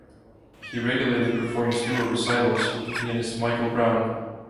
He regularly performs duo recitals with pianist Michael Brown.